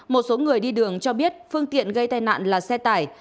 một số người đi đường cho biết phương tiện gây tai nạn là xe tải